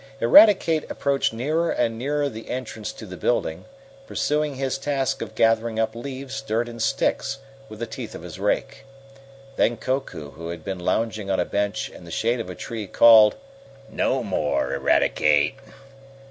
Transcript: Eradicate approached nearer and nearer the entrance to the building, pursuing his task of gathering up leaves, dirt and sticks with the teeth of his rake. Then Koku, who had been lounging on a bench in the shade of a tree, Called: "No more, Eradicate!"